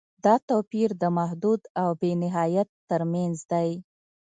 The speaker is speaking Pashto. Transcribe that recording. دا توپیر د محدود او بې نهایت تر منځ دی.